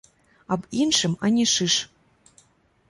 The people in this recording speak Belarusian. Аб іншым ані шыш!